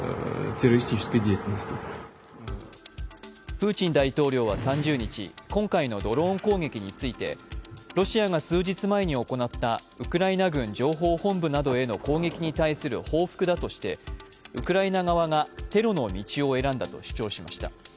プーチン大統領は３０日今回のドローン攻撃についてロシアが数日前に行ったウクライナ軍情報本部などへの攻撃に対する報復だとしてウクライナ側がテロの道を選んだと主張しました。